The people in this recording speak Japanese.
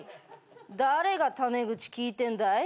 誰がタメ口利いてんだい？